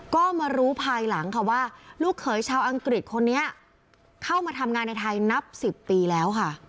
ก็มารู้ภายหลังค่ะว่าลูกเขยชาวอังกฤษคนนี้เข้ามาทำงานในไทยนับ๑๐ปีแล้วค่ะ